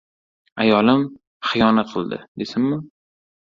Ayolim...xiyonat qildi, desinmi?